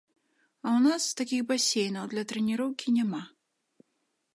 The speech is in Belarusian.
А ў нас такіх басейнаў для трэніроўкі няма.